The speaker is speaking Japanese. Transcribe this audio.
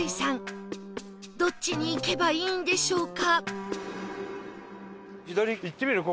どっちに行けばいいんでしょうか？